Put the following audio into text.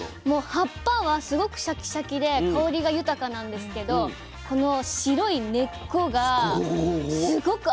もう葉っぱはすごくシャキシャキで香りが豊かなんですけどこの白い根っこがここここここ。